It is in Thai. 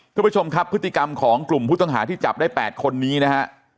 คุณผู้ชมครับพฤติกรรมของกลุ่มผู้ต้องหาที่จับได้๘คนนี้นะฮะ